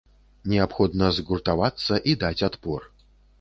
Неабходна згуртавацца і даць адпор.